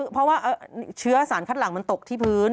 เพราะว่าเชื้อสารคัดหลังมันตกที่พื้น